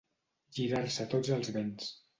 Girar-se a tots els vents.